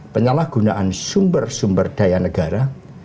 penyalahgunaan sumber sumber daya negara